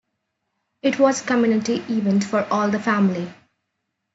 It was a community event for all the family.